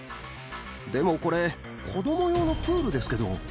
でもこれ、子ども用のプールですけど。